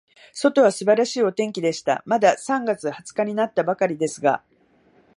外は素晴らしいお天気でした。まだ三月二十日になったばかりですが、